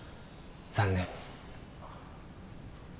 残念。